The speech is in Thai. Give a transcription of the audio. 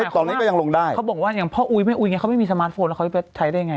ตอนนี้ก็ยังลงได้เขาบอกว่าพ่ออุ๊ยแม่อุ๊ยไม่มีสมาร์ทโฟนแล้วพ่ออุ๊ยแม่ไบ๊ตใช้ได้ยังไง